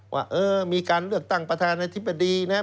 ว่าเออมีการเลือกตั้งประธานาธิบดีนะ